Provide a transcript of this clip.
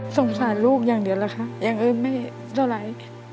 สงสัยลูกอย่างเดียวล่ะค่ะยัง๗๒๐เท่าไร